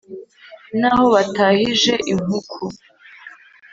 Naho batahije inkuku;